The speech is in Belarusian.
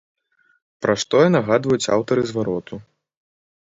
Пра што і нагадваюць аўтары звароту.